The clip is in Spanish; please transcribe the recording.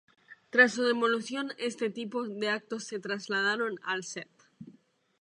Tras su demolición, este tipo de actos se trasladaron al St.